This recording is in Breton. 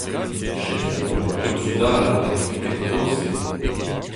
Setu amañ ur burzhud all ha n'eo ket ken kozh-se.